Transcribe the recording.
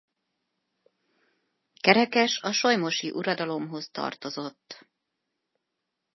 Kerekes a solymosi uradalomhoz tartozott.